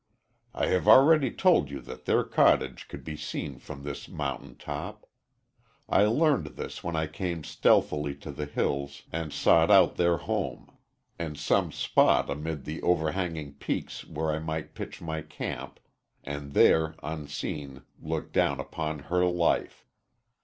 "I have already told you that their cottage could be seen from this mountain top. I learned this when I came stealthily to the hills and sought out their home, and some spot amid the overhanging peaks where I might pitch my camp and there unseen look down upon her life.